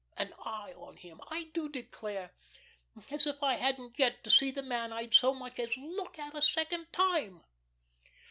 'An eye on him,' I do declare! As if I hadn't yet to see the man I'd so much as look at a second time."